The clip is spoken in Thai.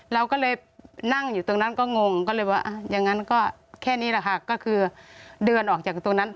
เราก็เลยนั่งอยู่ตรงนั้นก็งงก็เลยว่าอย่างนั้นก็แค่นี้แหละค่ะก็คือเดินออกจากตรงนั้น